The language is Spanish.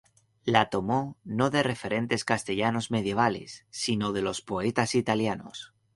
La tomó no de referentes castellanos medievales, sino de los poetas italianos.